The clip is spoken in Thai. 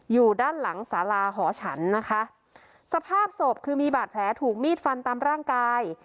อยู่ด้านหลังสาราหอฉันนะคะสภาพศพคือมีบาดแผลถูกมีดฟันตามร่างกาย